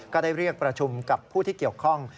ก็ได้เรียกประชุมกับผู้ที่เกี่ยวข้อง